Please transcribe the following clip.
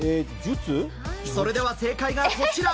それでは正解がこちら。